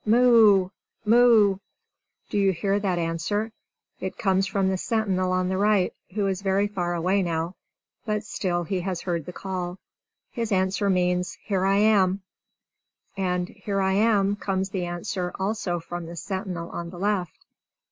"Moo! Moo!" Do you hear that answer? It comes from the sentinel on the right, who is very far away now; but still he has heard the call. His answer means, "Here I am!" And "Here I am!" comes the answer also from the sentinel on the left.